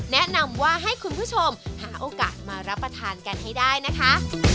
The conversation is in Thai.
แนะนำว่าให้คุณผู้ชมหาโอกาสมารับประทานกันให้ได้นะคะ